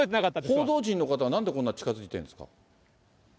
報道陣の方はなんでこんなに近づいているんですか？